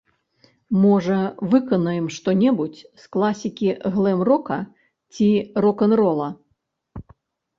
Можа, выканаем што-небудзь з класікі глэм-рока ці рок-н-рола.